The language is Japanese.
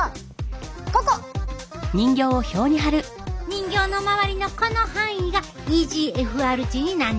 人形の周りのこの範囲がｅＧＦＲ値になんねん。